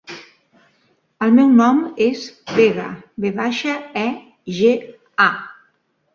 El meu nom és Vega: ve baixa, e, ge, a.